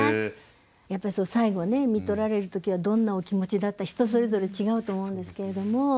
やっぱり最期ねみとられる時はどんなお気持ちだった人それぞれ違うと思うんですけれども。